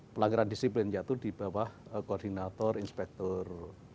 pelanggaran disiplin yaitu di bawah koordinator inspektor tiga